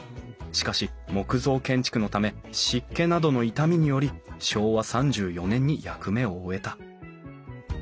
しかし木造建築のため湿気などの傷みにより昭和３４年に役目を終えた。